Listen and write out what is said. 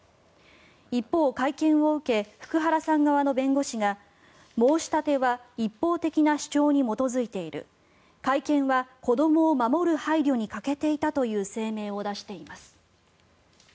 一方、会見を受け福原さん側の弁護士が申し立ては一方的な主張に基づいている会見は子どもを守る配慮に欠けていたという声明を出しています。